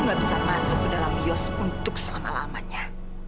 tidak bisa masuk ke dalam yos untuk selama lamanya